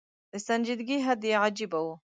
د سنجیدګۍ حد یې عجېبه و.